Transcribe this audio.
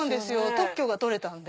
特許が取れたので。